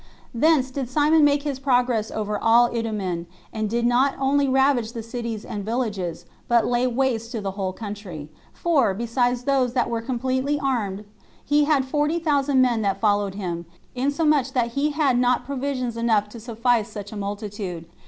Thence did Simon make his progress over all Idumea, and did not only ravage the cities and villages, but lay waste the whole country; for, besides those that were completely armed, he had forty thousand men that followed him, insomuch that he had not provisions enough to suffice such a multitude.